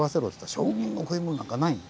将軍の食い物なんかない。